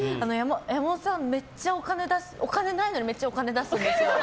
山本さんお金ないのにお金出すんですよ。